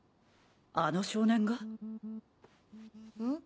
あの少年が？ん？